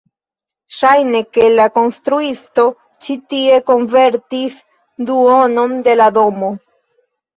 Ŝajne, ke la konstruisto ĉi tie konvertis duonon de la domo